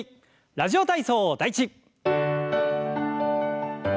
「ラジオ体操第１」。